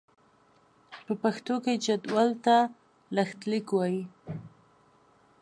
په پښتو کې جدول ته لښتليک وايي.